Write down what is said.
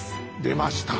出ました！